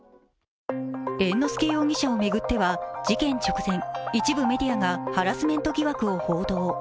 猿之助容疑者を巡っては事件直前、一部メディアがハラスメント疑惑を報道。